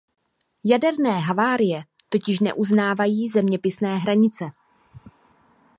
Jaderné havárie totiž neuznávají zeměpisné hranice.